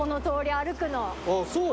あっそう？